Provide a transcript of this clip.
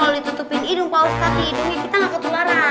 kalau ditutupin hidung pak ustadz hidungnya kita nggak ketularan